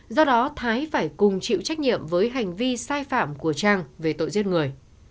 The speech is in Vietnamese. do đó thái phải cùng chịu trách nhiệm với hành vi sai phạm của trang về tội giết người